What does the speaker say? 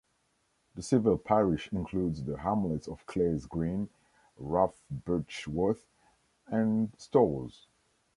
The civil parish includes the hamlets of Clays-Green, Roughbirchworth and Storrs.